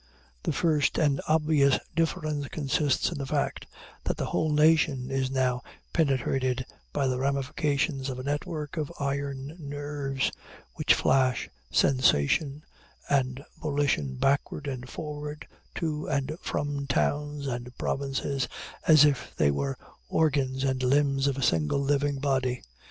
The first and obvious difference consists in the fact that the whole nation is now penetrated by the ramifications of a network of iron nerves which flash sensation and volition backward and forward to and from towns and provinces as if they were organs and limbs of a single living body.